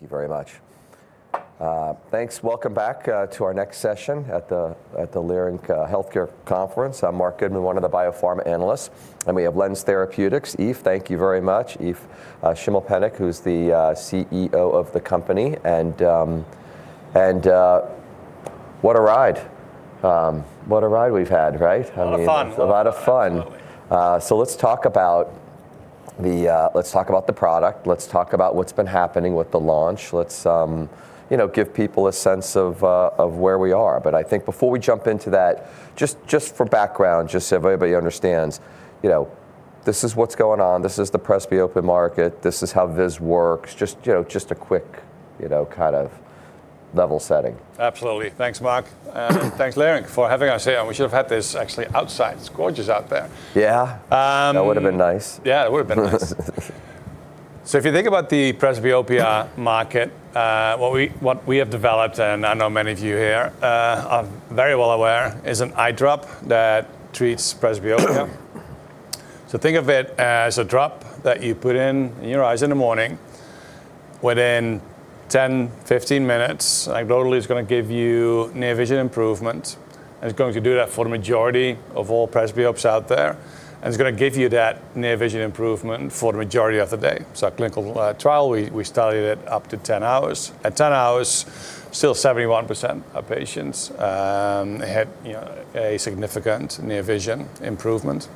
Thank you very much. Thanks. Welcome back to our next session at the Leerink Partners Global Healthcare Conference. I'm Marc Goodman, one of the biopharma analysts, and we have LENZ Therapeutics. Eef, thank you very much. Eef Schimmelpenninck, who's the CEO of the company. What a ride we've had, right? I mean A lot of fun. a lot of fun. Absolutely. Let's talk about the product. Let's talk about what's been happening with the launch. Let's, you know, give people a sense of where we are. I think before we jump into that, just for background, just so everybody understands, you know, this is what's going on, this is the presbyopia market, this is how VIZZ works, just, you know, just a quick, you know, kind of level setting. Absolutely. Thanks, Mark. Thanks, Leerink, for having us here. We should have had this actually outside. It's gorgeous out there. Yeah. Um-. That would've been nice. Yeah, it would've been nice. If you think about the presbyopia market, what we have developed, and I know many of you here are very well aware, is an eye drop that treats presbyopia. Think of it as a drop that you put in your eyes in the morning. Within 10-15 minutes, it literally is gonna give you near vision improvement, and it's going to do that for the majority of all presbyopes out there. It's gonna give you that near vision improvement for the majority of the day. Our clinical trial, we studied it up to 10 hours. At 10 hours, still 71% of patients had you know a significant near vision improvement.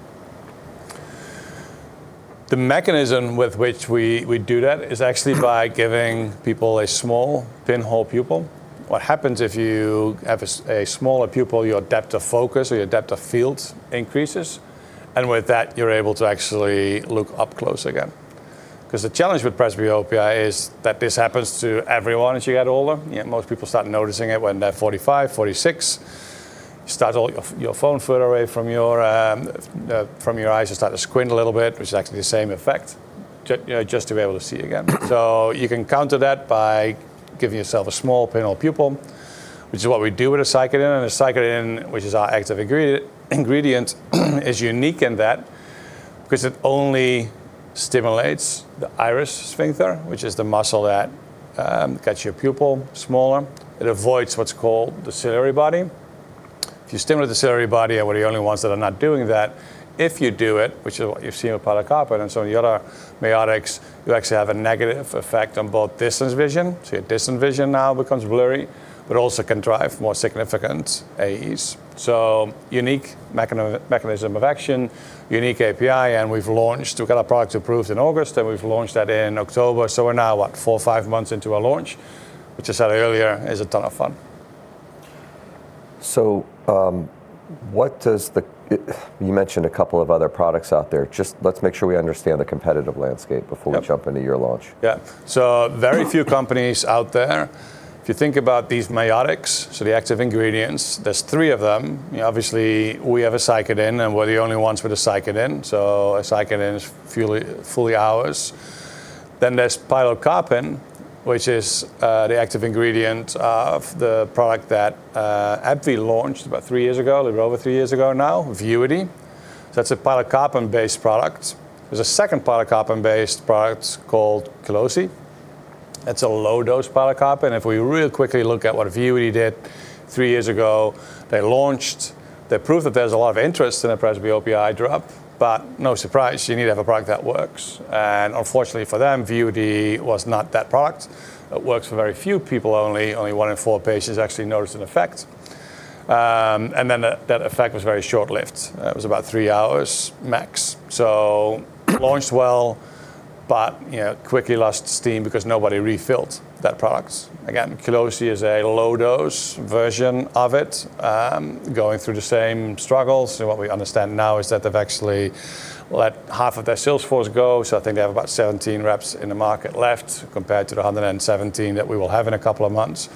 The mechanism with which we do that is actually by giving people a small pinhole pupil. What happens if you have a smaller pupil, your depth of focus or your depth of field increases, and with that, you're able to actually look up close again. 'Cause the challenge with presbyopia is that this happens to everyone as you get older. Yet most people start noticing it when they're 45, 46. You start holding your phone a foot away from your eyes. You start to squint a little bit, which is actually the same effect you know, just to be able to see again. You can counter that by giving yourself a small pinhole pupil, which is what we do with aceclidine. Aceclidine, which is our active ingredient, is unique in that because it only stimulates the iris sphincter, which is the muscle that gets your pupil smaller. It avoids what's called the ciliary body. If you stimulate the ciliary body, and we're the only ones that are not doing that, if you do it, which is what you've seen with pilocarpine and some of the other miotics, you actually have a negative effect on both distance vision, so your distance vision now becomes blurry, but also can drive more significant AE's. Unique mechanism of action, unique API, and we've launched. We got our product approved in August, then we've launched that in October, so we're now, what, four, five months into our launch, which I said earlier is a ton of fun. You mentioned a couple of other products out there. Just let's make sure we understand the competitive landscape before-. Yep. We jump into your launch. Yeah. Very few companies out there. If you think about these miotics, the active ingredients, there's three of them. You know, obviously we have aceclidine, and we're the only ones with aceclidine, so aceclidine is fully ours. Then there's pilocarpine, which is the active ingredient of the product that AbbVie launched about three years ago, a little over three years ago now, VUITY. So that's a pilocarpine-based product. There's a second pilocarpine-based product called Qlosi. That's a low-dose pilocarpine. If we real quickly look at what VUITY did three years ago, they launched. They proved that there's a lot of interest in a presbyopia eye drop, but no surprise, you need to have a product that works. Unfortunately for them, VUITY was not that product. It works for very few people only. Only one in four patients actually noticed an effect. That effect was very short-lived. It was about three hours max. Launched well, but you know, quickly lost steam because nobody refilled that product. Again, Qlosi is a low-dose version of it, going through the same struggles. What we understand now is that they've actually let half of their sales force go. I think they have about 17 reps in the market left compared to the 117 that we will have in a couple of months.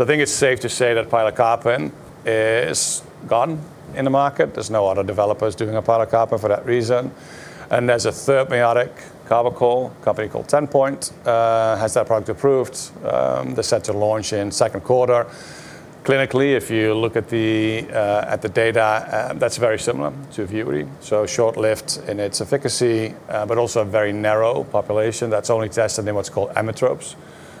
I think it's safe to say that pilocarpine is gone in the market. There's no other developers doing a pilocarpine for that reason. There's a third miotic, carbachol. Company called Tenpoint has that product approved. They're set to launch in second quarter. Clinically, if you look at the data, that's very similar to VUITY, so short-lived in its efficacy, but also a very narrow population that's only tested in what's called emmetropes,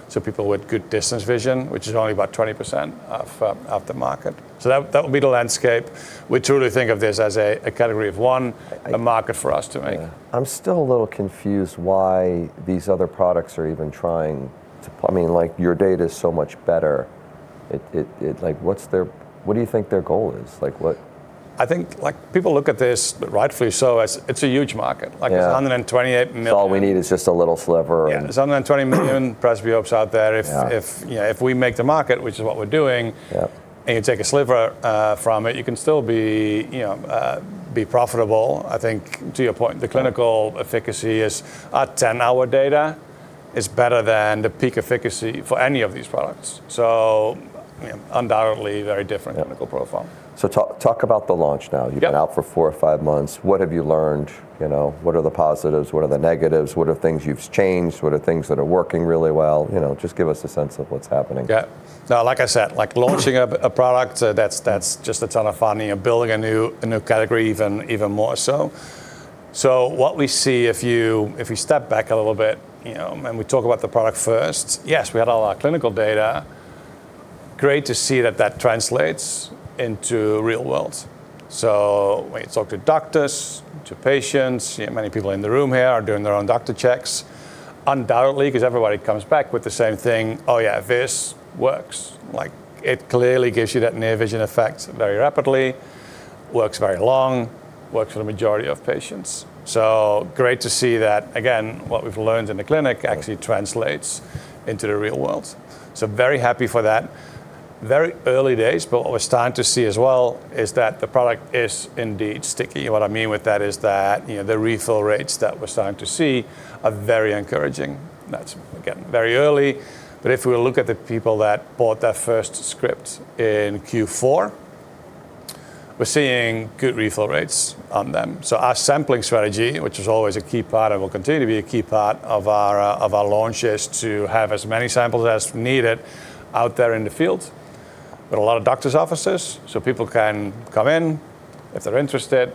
so people with good distance vision, which is only about 20% of the market. That would be the landscape. We truly think of this as a category of one. I-. A market for us to make. Yeah. I'm still a little confused why these other products are even trying to, I mean, like, your data is so much better. Like, what do you think their goal is? Like, what I think, like, people look at this, rightfully so, as it's a huge market. Yeah. Like, there's 128 million-. All we need is just a little sliver. Yeah. There's 120 million presbyopes out there. Yeah. If you know, if we make the market, which is what we're doing. Yep. You take a sliver from it, you can still be, you know, profitable. I think to your point. Yeah. The clinical efficacy at 10-hour data is better than the peak efficacy for any of these products. You know, undoubtedly very different. Yeah. Clinical profile. Talk about the launch now. Yeah. You've been out for four or five months. What have you learned? You know, what are the positives? What are the negatives? What are things you've changed? What are things that are working really well? You know, just give us a sense of what's happening. Yeah. No, like I said, like, launching a product, that's just a ton of fun. You know, building a new category even more so. What we see if you step back a little bit, you know, and we talk about the product first, yes, we had all our clinical data. Great to see that translates into real world. When you talk to doctors, to patients, you know, many people in the room here are doing their own doctor checks, undoubtedly, because everybody comes back with the same thing. "Oh yeah, this works." Like, it clearly gives you that near vision effect very rapidly, works very long, works for the majority of patients. Great to see that again, what we've learned in the clinic actually translates into the real world. Very happy for that. Very early days, what we're starting to see as well is that the product is indeed sticky. What I mean with that is that, you know, the refill rates that we're starting to see are very encouraging. That's, again, very early. If we look at the people that bought their first script in Q4, we're seeing good refill rates on them. Our sampling strategy, which is always a key part and will continue to be a key part of our launch, is to have as many samples as needed out there in the field. Got a lot of doctor's offices, so people can come in if they're interested,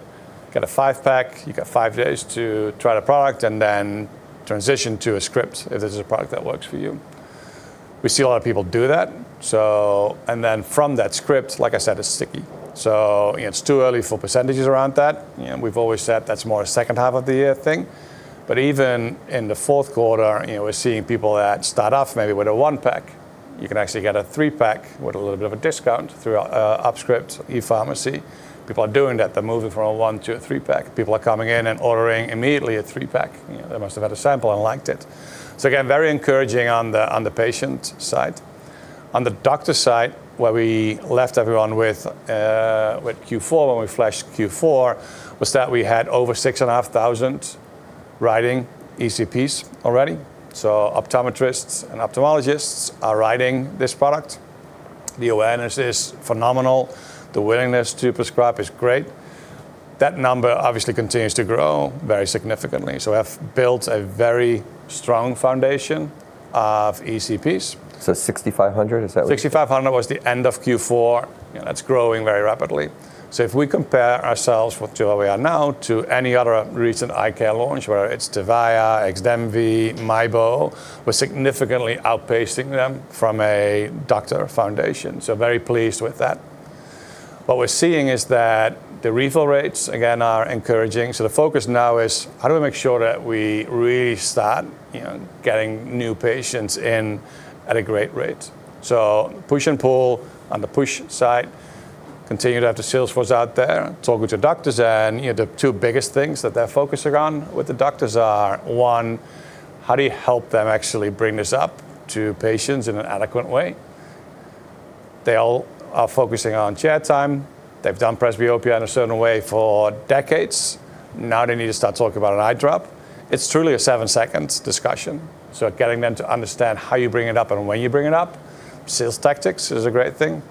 get a five-pack. You get five days to try the product and then transition to a script if this is a product that works for you. We see a lot of people do that. From that script, like I said, it's sticky. You know, it's too early for percentages around that. You know, we've always said that's more a second half of the year thing. Even in the fourth quarter, you know, we're seeing people that start off maybe with a one-pack. You can actually get a three-pack with a little bit of a discount through UpScript ePharmacy. People are doing that. They're moving from a one to a three-pack. People are coming in and ordering immediately a three-pack. You know, they must have had a sample and liked it. Again, very encouraging on the patient side. On the doctor side, where we left everyone with Q4, when we flashed Q4, was that we had over 6,500 writing ECPs already. Optometrists and ophthalmologists are writing this product. The awareness is phenomenal. The willingness to prescribe is great. That number obviously continues to grow very significantly. We have built a very strong foundation of ECPs. 6,500, is that what-. 6,500 was the end of Q4. You know, that's growing very rapidly. If we compare ourselves with to where we are now to any other recent eye care launch, whether it's VEVYE, XDEMVY, MIEBO, we're significantly outpacing them from a doctor foundation. Very pleased with that. What we're seeing is that the refill rates again, are encouraging. The focus now is how do we make sure that we really start, you know, getting new patients in at a great rate. Push and pull. On the push side, continue to have the sales force out there talking to doctors. You know, the two biggest things that they're focusing on with the doctors are, one, how do you help them actually bring this up to patients in an adequate way? They all are focusing on chair time. They've done presbyopia in a certain way for decades. Now they need to start talking about an eye drop. It's truly a 7-second discussion. Getting them to understand how you bring it up and when you bring it up, sales tactics is a great thing.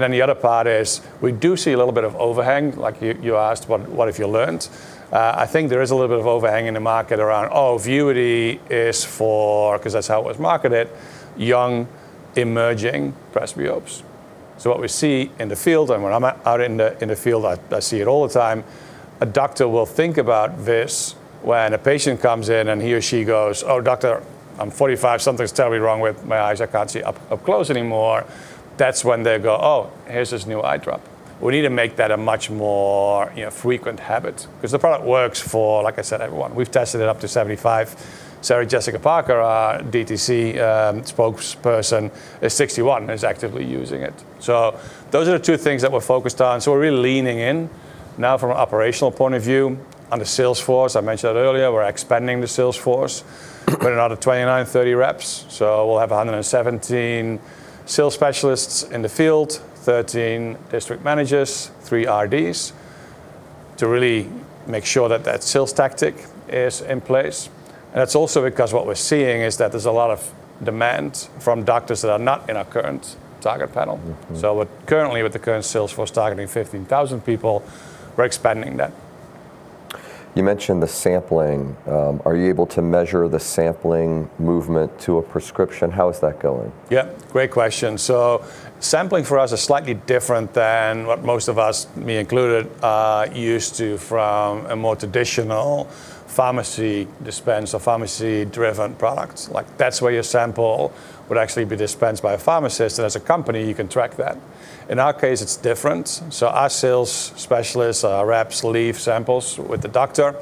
Then the other part is we do see a little bit of overhang. Like you asked what have you learned? I think there is a little bit of overhang in the market around, oh, VUITY is for, 'cause that's how it was marketed, young emerging presbyopes. What we see in the field, and when I'm out in the field, I see it all the time, a doctor will think about this when a patient comes in, and he or she goes, "Oh, Doctor, I'm 45. Something's terribly wrong with my eyes. I can't see up close anymore." That's when they go, "Oh, here's this new eye drop." We need to make that a much more, you know, frequent habit 'cause the product works for, like I said, everyone. We've tested it up to 75. Sorry, Jessica Parker, our DTC spokesperson, is 61, is actively using it. So those are the two things that we're focused on. So we're really leaning in now from an operational point of view on the sales force. I mentioned that earlier. We're expanding the sales force. Putting another 29, 30 reps. So we'll have 117 sales specialists in the field, 13 district managers, three RDs to really make sure that that sales tactic is in place. That's also because what we're seeing is that there's a lot of demand from doctors that are not in our current target panel. Mm-hmm. With the current sales force targeting 15,000 people, we're expanding that. You mentioned the sampling. Are you able to measure the sampling movement to a prescription? How is that going? Yeah, great question. Sampling for us is slightly different than what most of us, me included, are used to from a more traditional pharmacy dispense or pharmacy-driven products. Like that's where your sample would actually be dispensed by a pharmacist, and as a company you can track that. In our case, it's different. Our sales specialists, our reps leave samples with the doctor.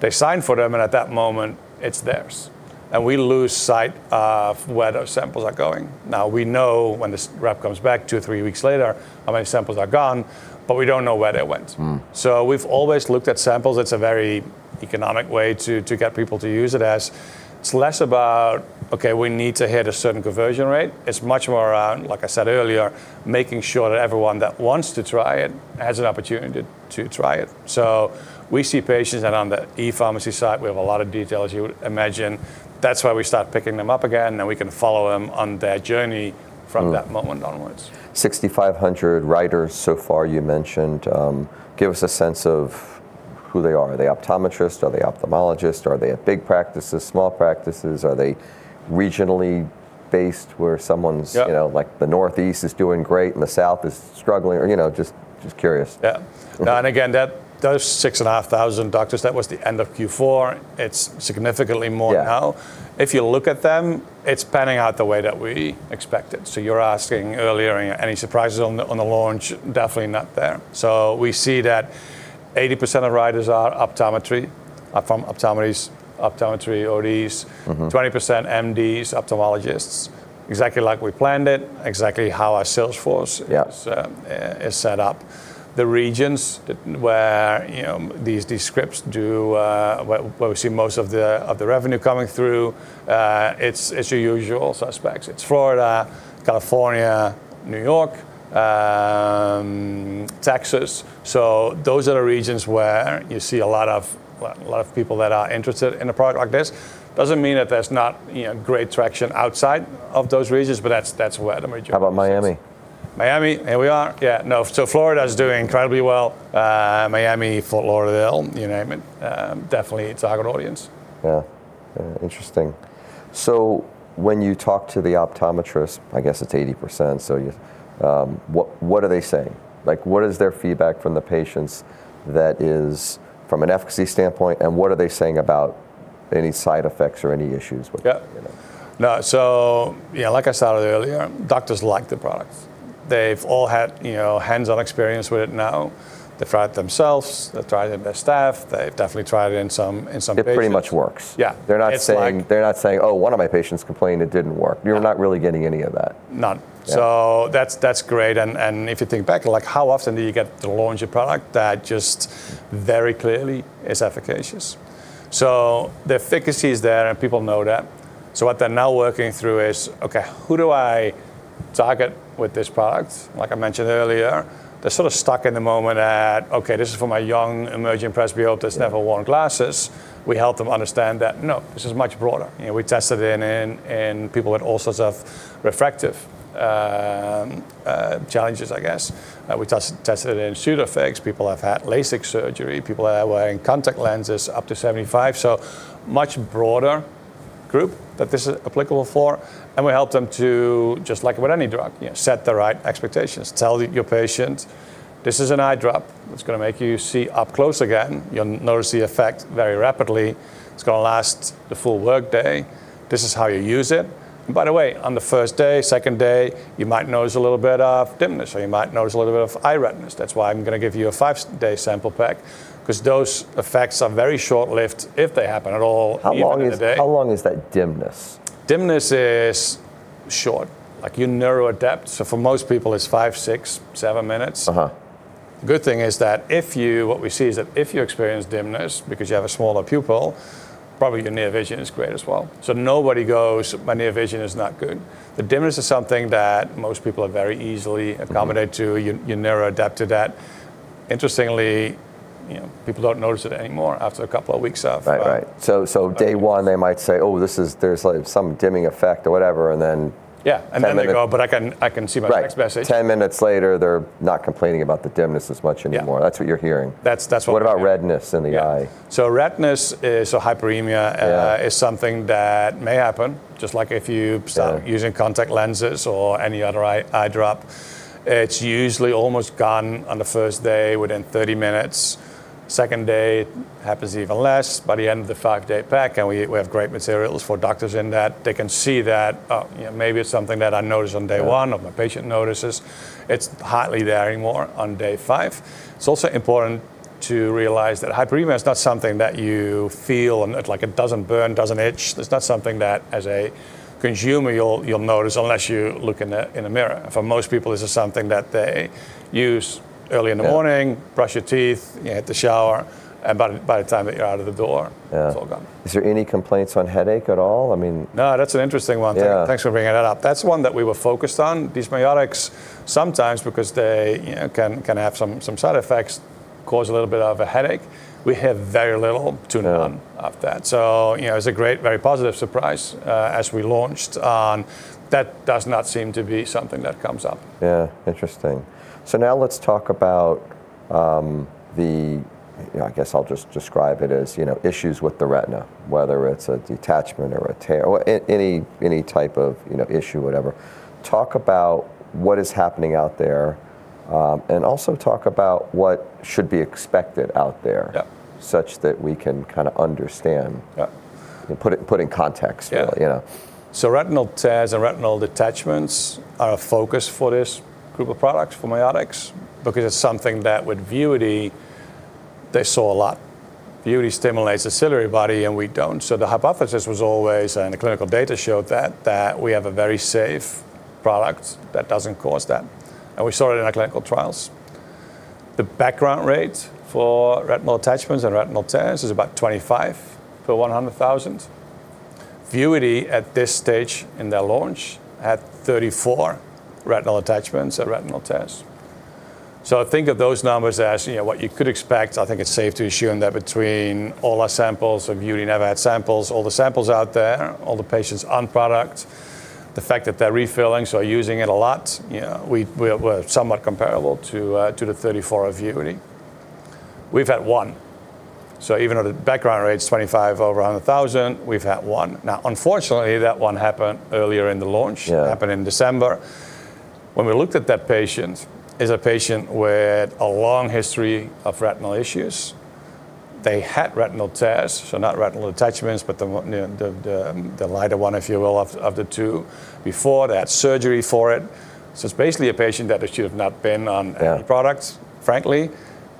They sign for them, and at that moment it's theirs, and we lose sight of where those samples are going. Now, we know when this rep comes back two to three weeks later, how many samples are gone, but we don't know where they went. Mm. We've always looked at samples. It's a very economic way to get people to use it, as it's less about, okay, we need to hit a certain conversion rate. It's much more around, like I said earlier, making sure that everyone that wants to try it has an opportunity to try it. We see patients and on the ePharmacy side, we have a lot of detail, as you would imagine. That's where we start picking them up again, and we can follow them on their journey from that moment onwards. 6,500 writers so far, you mentioned. Give us a sense of who they are. Are they optometrists? Are they ophthalmologists? Are they at big practices, small practices? Are they regionally based where someone's-. Yep. You know, like the Northeast is doing great and the South is struggling or, you know, just curious. Yeah. Okay. No, and again, those 6,500 doctors, that was the end of Q4. It's significantly more now. Yeah. If you look at them, it's panning out the way that we expected. You're asking earlier, any surprises on the launch, definitely not there. We see that 80% of writers are from optometry, ODs. Mm-hmm. 20% MDs, ophthalmologists. Exactly like we planned it, exactly how our sales force. Yep. Is set up. The regions where these scripts, where we see most of the revenue coming through, it's your usual suspects. It's Florida, California, New York, Texas. Those are the regions where you see a lot of people that are interested in a product like this. Doesn't mean that there's not, you know, great traction outside of those regions, but that's where the majority. How about Miami? Miami, here we are. Yeah. No, Florida is doing incredibly well. Miami, Fort Lauderdale, you name it, definitely a target audience. Yeah. Yeah. Interesting. When you talk to the optometrists, I guess it's 80%, so you, what are they saying? Like, what is their feedback from the patients that is from an efficacy standpoint, and what are they saying about any side effects or any issues with it, you know? Yeah, like I said earlier, doctors like the product. They've all had, you know, hands-on experience with it now. They've tried it themselves. They've tried it on their staff. They've definitely tried it in some patients. It pretty much works. Yeah. They're not saying. It's like-. They're not saying, "Oh, one of my patients complained it didn't work. No. You're not really getting any of that? None. Yeah. That's great, and if you think back, like how often do you get to launch a product that just very clearly is efficacious? The efficacy is there, and people know that. What they're now working through is, "Okay, who do I target with this product?" Like I mentioned earlier, they're sort of stuck in the moment at, "Okay, this is for my young emerging presbyopes-. Yeah. Never worn glasses. We help them understand that, no, this is much broader. You know, we tested in people with all sorts of refractive challenges, I guess. We tested it in pseudophakic people. People have had LASIK surgery. People are wearing contact lenses up to 75, so much broader group that this is applicable for. We help them to, just like with any drug, you know, set the right expectations. Tell your patient, "This is an eye drop. It's gonna make you see up close again. You'll notice the effect very rapidly. It's gonna last the full workday. This is how you use it. And by the way, on the first day, second day, you might notice a little bit of dimness, or you might notice a little bit of eye redness. That's why I'm gonna give you a five-day sample pack, 'cause those effects are very short-lived, if they happen at all even in a day. How long is that dimness? Dimness is short. Like, you neuro-adapt. For most people, it's five, six, seven minutes. Uh-huh. Good thing is that. What we see is that if you experience dimness because you have a smaller pupil, probably your near vision is great as well. Nobody goes, "My near vision is not good." The dimness is something that most people are very easily accommodated to. Mm-hmm. You neuro-adapt to that. Interestingly, you know, people don't notice it anymore after a couple of weeks of Right. of using it. Day one, they might say, "Oh, this is. There's like some dimming effect," or whatever, and then. Yeah. 10 minutes. They go, "But I can see my text message. Right. 10-minutes later, they're not complaining about the dimness as much anymore. Yeah. That's what you're hearing. That's what we're hearing. What about redness in the eye? Yeah. So redness is hyperemia. Yeah. Is something that may happen, just like if you Yeah Stop using contact lenses or any other eye drop. It's usually almost gone on the first day within 30-minutes. Second day, it happens even less. By the end of the five day pack, we have great materials for doctors in that they can see that, oh, you know, maybe it's something that I notice on day one. Yeah. or my patient notices. It's hardly there anymore on day five. It's also important to realize that hyperemia is not something that you feel and it like it doesn't burn, doesn't itch. It's not something that as a consumer you'll notice unless you look in the mirror. For most people, this is something that they use early in the morning. Yeah. brush your teeth, you hit the shower, and by the time that you're out of the door. Yeah. It's all gone. Is there any complaints on headache at all? I mean. No, that's an interesting one. Yeah. Thanks for bringing that up. That's one that we were focused on. These miotics sometimes, because they, you know, can have some side effects, cause a little bit of a headache. We have very little to none. Yeah. Of that. You know, it's a great, very positive surprise as we launched on that does not seem to be something that comes up. Yeah. Interesting. Now let's talk about yeah, I guess I'll just describe it as, you know, issues with the retina, whether it's a detachment or a tear or any type of, you know, issue, whatever. Talk about what is happening out there and also talk about what should be expected out there. Yeah. such that we can kinda understand. Yeah. put it in context a little, you know. Yeah. Retinal tears and retinal detachments are a focus for this group of products, for miotics, because it's something that with VUITY they saw a lot. VUITY stimulates the ciliary body, and we don't. The hypothesis was always, and the clinical data showed that we have a very safe product that doesn't cause that, and we saw it in our clinical trials. The background rate for retinal detachments and retinal tears is about 25 per 100,000. VUITY at this stage in their launch had 34 retinal detachments or retinal tears. Think of those numbers as, you know, what you could expect. I think it's safe to assume that between all our samples, VUITY never had samples, all the samples out there, all the patients on product, the fact that they're refilling, so using it a lot, you know, we're somewhat comparable to the 34 of VUITY. We've had one. Even though the background rate's 25 over 100,000, we've had one. Now, unfortunately, that one happened earlier in the launch. Yeah. It happened in December. When we looked at that patient, it's a patient with a long history of retinal issues. They had retinal tears, so not retinal detachments, but you know, the lighter one, if you will, of the two, before they had surgery for it. It's basically a patient that should have not been on any-. Yeah. products, frankly.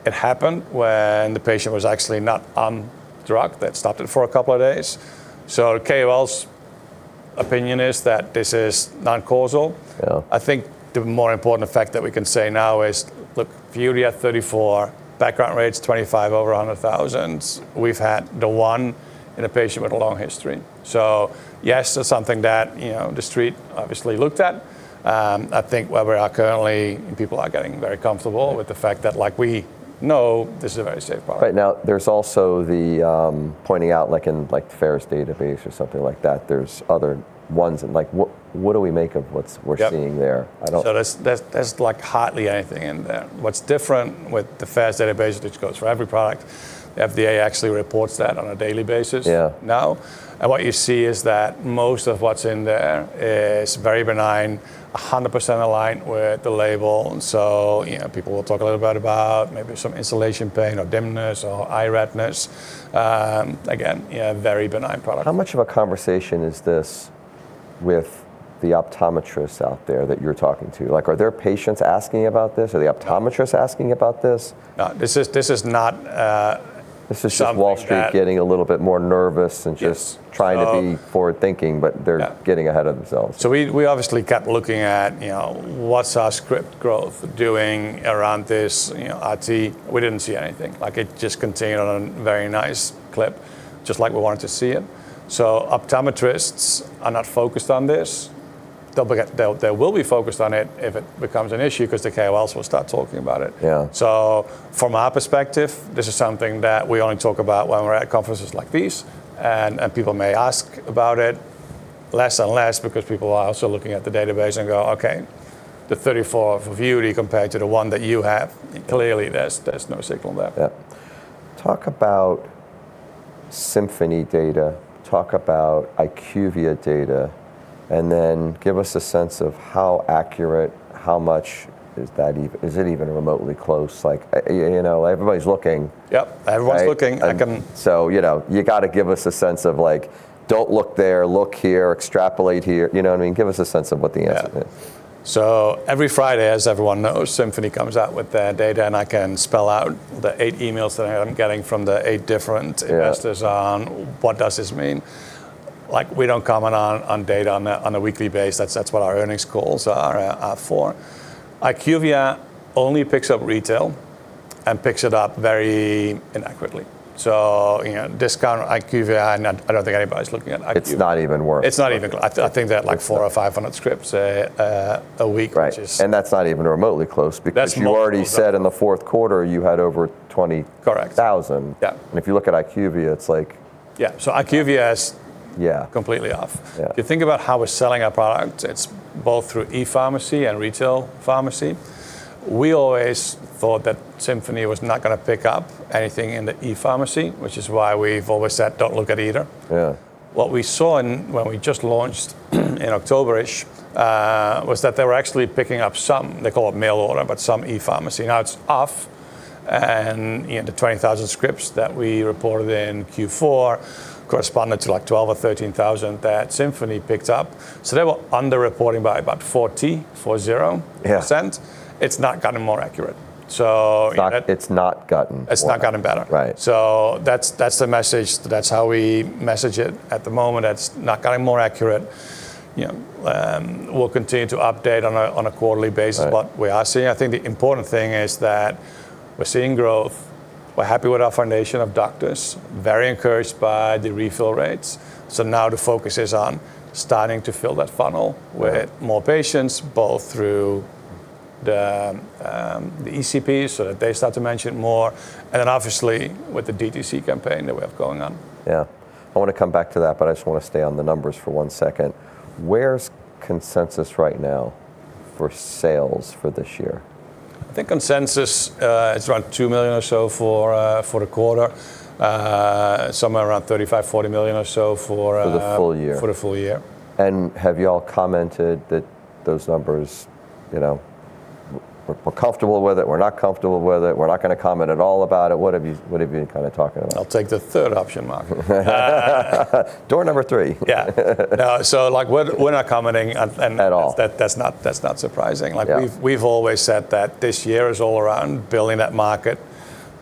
It happened when the patient was actually not on drug. That stopped it for a couple of days. KOL's opinion is that this is non-causal. Yeah. I think the more important effect that we can say now is, look, VUITY at 34, background rate's 25 over 100,000. We've had the one in a patient with a long history. Yes, it's something that, you know, the street obviously looked at. I think where we are currently, people are getting very comfortable with the fact that, like, we know this is a very safe product. Right now, there's also the pointing out, like in the FAERS database or something like that, there's other ones and, like, what do we make of what's-. Yep. What we're seeing there? There's, like, hardly anything in there. What's different with the FAERS database, which goes for every product. FDA actually reports that on a daily basis. Yeah. What you see is that most of what's in there is very benign, 100% aligned with the label. You know, people will talk a little bit about maybe some instillation pain or dimness or eye redness. Again, you know, a very benign product. How much of a conversation is this with the optometrists out there that you're talking to? Like, are there patients asking about this? Are the optometrists asking about this? No. This is not something that. This is just Wall Street getting a little bit more nervous. Yeah. Trying to be forward-thinking, but they're. Yeah. getting ahead of themselves. We obviously kept looking at, you know, what's our script growth doing around this, you know, RT. We didn't see anything. Like, it just continued on a very nice clip, just like we wanted to see it. Optometrists are not focused on this. Don't forget, they will be focused on it if it becomes an issue because the KOLs will start talking about it. Yeah. From our perspective, this is something that we only talk about when we're at conferences like these, and people may ask about it less and less because people are also looking at the database and go, "Okay, the 34 VUITY compared to the one that you have, clearly there's no signal there. Yeah. Talk about Symphony data, talk about IQVIA data, and then give us a sense of how accurate, how much is it even remotely close? Like, you know, everybody's looking. Yep. Everyone's looking. Right? I can-. You know, you gotta give us a sense of like, don't look there, look here, extrapolate here. You know what I mean? Give us a sense of what the answer is. Yeah. Every Friday, as everyone knows, Symphony comes out with their data, and I can spell out the eight emails that I'm getting from the eight different-. Yeah. Investors on what does this mean. Like, we don't comment on data on a weekly basis. That's what our earnings calls are for. IQVIA only picks up retail and picks it up very inaccurately. You know, discount IQVIA. I don't think anybody's looking at IQVIA. It's not even worth it. It's not even. I think they're like 400 or 500 scripts a week, which is. Right. That's not even remotely close because. That's more close. You already said in the fourth quarter you had over 20. Correct. thousand. Yeah. If you look at IQVIA, it's like. Yeah. IQVIA's. Yeah. completely off. Yeah. If you think about how we're selling our product, it's both through ePharmacy and retail pharmacy. We always thought that Symphony was not gonna pick up anything in the ePharmacy, which is why we've always said, "Don't look at either. Yeah. What we saw when we just launched in October-ish was that they were actually picking up some, they call it mail order, but some ePharmacy. Now, it's off and, you know, the 20,000 scripts that we reported in Q4 corresponded to, like, 12,000 or 13,000 that Symphony picked up. They were underreporting by about 40%. Yeah. It's not gotten more accurate. It's not gotten more accurate. It's not gotten better. Right. That's the message. That's how we message it at the moment. It's not gotten more accurate. You know, we'll continue to update on a quarterly basis. Right. What we are seeing. I think the important thing is that we're seeing growth. We're happy with our foundation of doctors, very encouraged by the refill rates. Now the focus is on starting to fill that funnel with. Yeah. More patients, both through the ECPs, so that they start to mention more, and then obviously with the DTC campaign that we have going on. Yeah. I wanna come back to that, but I just wanna stay on the numbers for one second. Where's consensus right now for sales for this year? I think consensus is around $2 million or so for the quarter. Somewhere around $35 million-$40 million or so for-. For the full year. For the full year. Have you all commented that those numbers, you know, we're comfortable with it, we're not comfortable with it, we're not gonna comment at all about it? What have you been kind of talking about? I'll take the third option, Marc. Door number three. Yeah. No. Like, we're not commenting. At all. That's not surprising. Yeah. Like, we've always said that this year is all around building that market,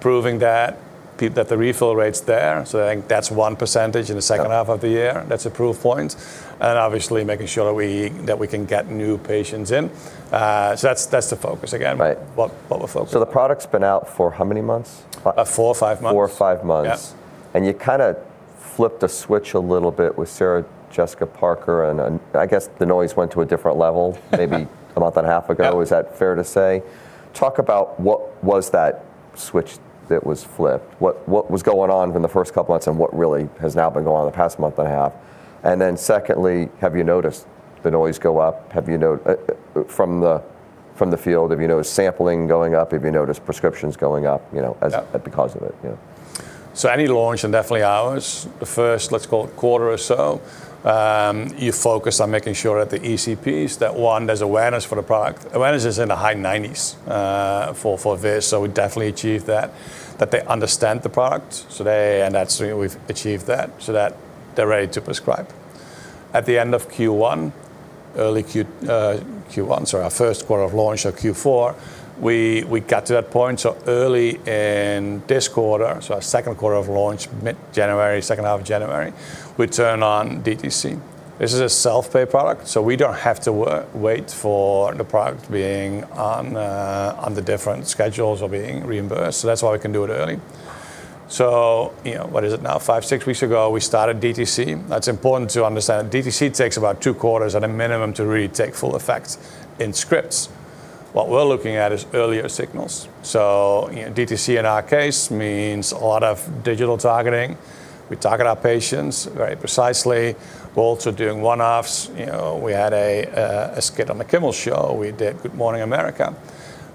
proving that the refill rate's there. I think that's 1% in the second half of the year. That's a proof point. Obviously making sure that we can get new patients in. That's the focus again. Right. What we're focusing. The product's been out for how many months? Four or five months. Four or five months. Yeah. You kinda flipped a switch a little bit with Sarah Jessica Parker, and I guess the noise went to a different level maybe a month and a half ago. Yeah. Is that fair to say? Talk about what was that switch that was flipped, what was going on in the first couple months, and what really has now been going on in the past month and a half. Then secondly, have you noticed the noise go up? Have you, from the field, noticed sampling going up? Have you noticed prescriptions going up, you know? Yeah. As, because of it, you know? Any launch, and definitely ours, the first, let's call it, quarter or so, you focus on making sure that the ECPs, that one, there's awareness for the product. Awareness is in the high 90s for this, so we definitely achieved that. That they understand the product, so they... That's, we've achieved that, so that they're ready to prescribe. At the end of Q1, early Q1, sorry, our first quarter of launch, so Q4, we got to that point. Early in this quarter, our second quarter of launch, mid-January, second half of January, we turn on DTC. This is a self-pay product, so we don't have to wait for the product being on the different schedules or being reimbursed. That's why we can do it early. You know, what is it now? 5-6 weeks ago we started DTC. That's important to understand. DTC takes about two quarters at a minimum to really take full effect in scripts. What we're looking at is earlier signals. You know, DTC in our case means a lot of digital targeting. We target our patients very precisely. We're also doing one-offs. You know, we had a skit on the Kimmel show. We did Good Morning America.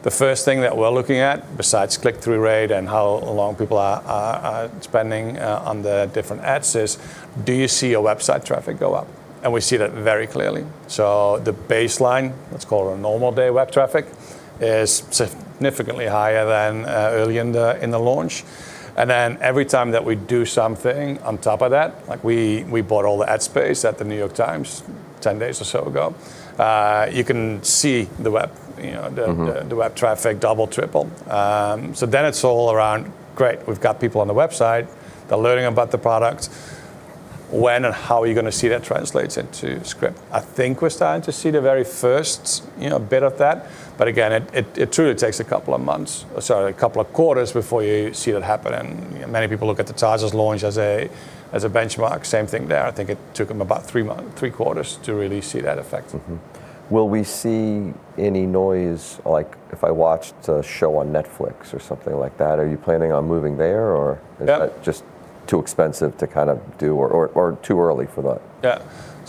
The first thing that we're looking at, besides click-through rate and how long people are spending on the different ads, is do you see our website traffic go up? We see that very clearly. The baseline, let's call it our normal day web traffic, is significantly higher than early in the launch. every time that we do something on top of that, like we bought all the ad space at The New York Times 10-days or so ago, you can see the web, you know. Mm-hmm. The web traffic double, triple. So then it's all around, great, we've got people on the website. They're learning about the product. When and how are you gonna see that translates into script? I think we're starting to see the very first, you know, bit of that, but again, it truly takes a couple of quarters before you see that happen. You know, many people look at the Tarsus launch as a benchmark. Same thing there. I think it took them about three quarters to really see that effect. Mm-hmm. Will we see any noise, like if I watched a show on Netflix or something like that? Are you planning on moving there, or? Yeah. Is that just too expensive to kind of do, or too early for that? Yeah.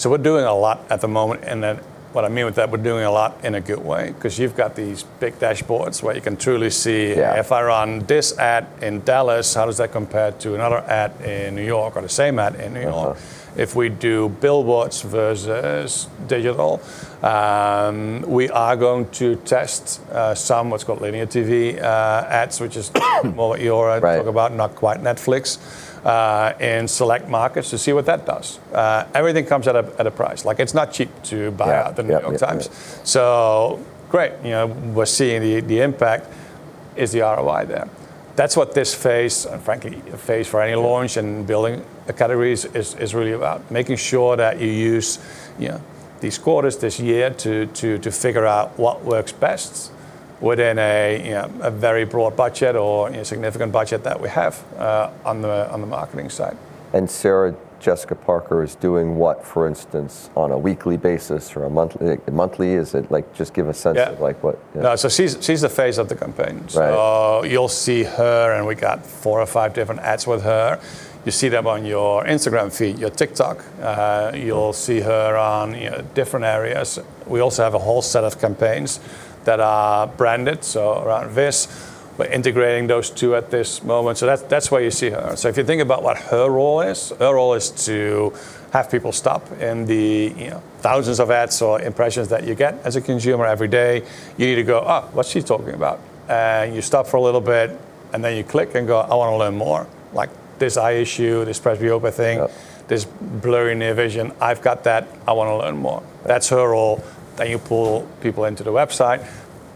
We're doing a lot at the moment, and then what I mean with that, we're doing a lot in a good way. 'Cause you've got these big dashboards where you can truly see-. Yeah. If I run this ad in Dallas, how does that compare to another ad in New York or the same ad in New York? Of course. If we do billboards versus digital. We are going to test some, what's called linear TV ads, which is more what you're-. Right. Talking about, not quite Netflix, in select markets to see what that does. Everything comes at a price. Like, it's not cheap to buy-. Yeah. Out The New York Times. Yeah, yeah. Great, you know, we're seeing the impact. Is the ROI there? That's what this phase, and frankly a phase for any launch and building a category is really about. Making sure that you use, you know, these quarters this year to figure out what works best within a, you know, a very broad budget or a significant budget that we have on the marketing side. Sarah Jessica Parker is doing what, for instance, on a weekly basis or a monthly? Like monthly, is it? Like, just give a sense. Yeah. Of like what, yeah. No, she's the face of the campaigns. Right. You'll see her, and we got four or five different ads with her. You see them on your Instagram feed, your TikTok. You'll see her on, you know, different areas. We also have a whole set of campaigns that are branded, so around this. We're integrating those two at this moment. That's where you see her. If you think about what her role is, her role is to have people stop in the, you know, thousands of ads or impressions that you get as a consumer every day. You need to go, "Oh, what's she talking about?" And you stop for a little bit, and then you click and go, "I wanna learn more. Like, this eye issue, this presbyopia thing. Yep. This blurry near vision, I've got that. I wanna learn more." That's her role. You pull people into the website.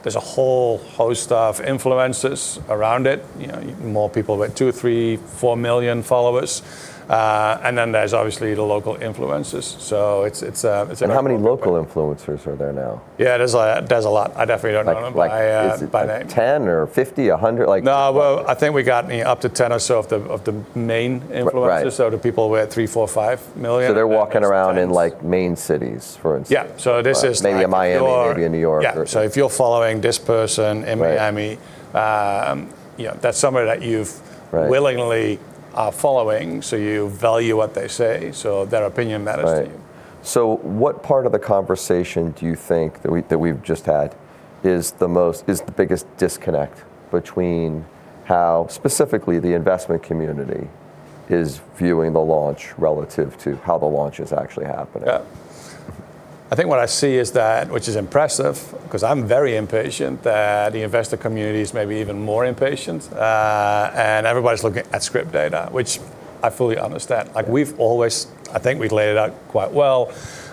There's a whole host of influencers around it, you know, more people with 2, 3, 4 million followers. There's obviously the local influencers. It's a-. How many local influencers are there now? Yeah, there's a lot. I definitely don't know them by name. Like, is it, like, 10 or 50, 100? No. Well, I think we got maybe up to 10 or so of the main influencers. Right, right. The people who are at $3 million, $4 million, $5 million, sometimes. They're walking around in, like, main cities, for instance. Yeah. This is like if you're. Maybe a Miami, maybe a New York or. Yeah. If you're following this person in Miami-. Right. you know, that's somebody that you've-. Right. willingly are following, so you value what they say. Their opinion matters to you. Right. What part of the conversation do you think that we've just had is the biggest disconnect between how specifically the investment community is viewing the launch relative to how the launch is actually happening? Yeah. I think what I see is that, which is impressive, 'cause I'm very impatient, that the investor community is maybe even more impatient. Everybody's looking at script data, which I fully understand. Yeah. Like, we've always, I think we've laid it out quite well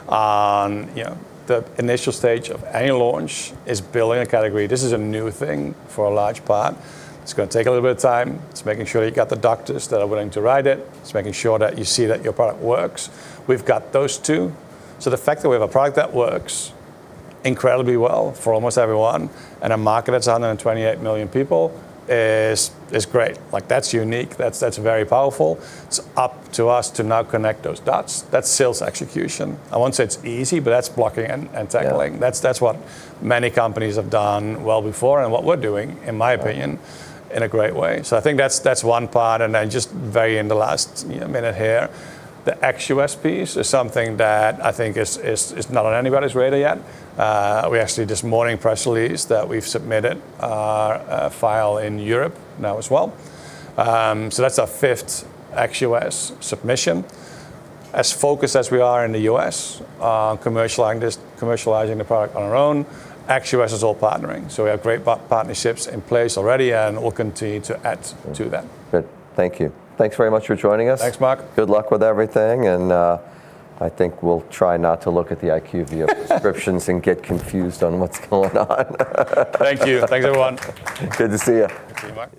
on, you know, the initial stage of any launch is building a category. This is a new thing for a large part. It's gonna take a little bit of time. It's making sure you've got the doctors that are willing to write it. It's making sure that you see that your product works. We've got those two. So the fact that we have a product that works incredibly well for almost everyone, and a market that's 128 million people is great. Like, that's unique. That's very powerful. It's up to us to now connect those dots. That's sales execution. I won't say it's easy, but that's blocking and tackling. Yeah. That's what many companies have done well before, and what we're doing, in my opinion. Right. In a great way. I think that's one part. Just in the very last, you know, minute here, the ex-U.S. piece is something that I think is not on anybody's radar yet. We actually this morning's press release that we've submitted a filing in Europe now as well. That's our fifth ex-U.S. submission. As focused as we are in the U.S., commercializing the product on our own, ex-U.S. is all partnering. We have great partnerships in place already, and we'll continue to add to that. Good. Thank you. Thanks very much for joining us. Thanks, Marc. Good luck with everything, and I think we'll try not to look at the IQVIA prescriptions and get confused on what's going on. Thank you. Thanks everyone. Good to see you. Good to see you, Marc.